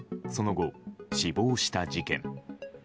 その後、死亡した事件。